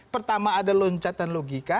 pertama ada loncatan logika